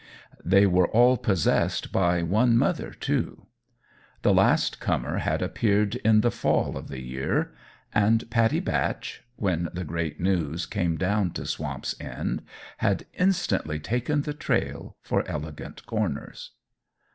They were all possessed by one mother, too. The last comer had appeared in the fall of the year; and Pattie Batch when the great news came down to Swamp's End had instantly taken the trail for Elegant Corners.